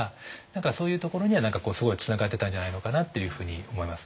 何かそういうところには何かすごいつながってたんじゃないのかなっていうふうに思いますね。